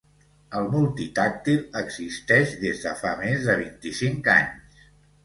El multitàctil existeix des de fa més de vint-i-cinc anys.